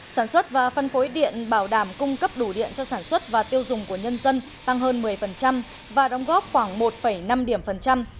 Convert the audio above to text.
sản xuất và phân phối điện bảo đảm cung cấp đủ điện cho sản xuất và tiêu dùng của nhân dân tăng hơn một mươi và đóng góp khoảng một năm điểm phần trăm